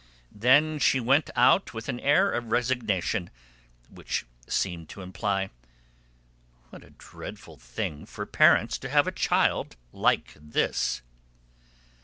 Then she went out with an air of resignation which seemed to imply: "What a dreadful thing for parents to have a child like this!"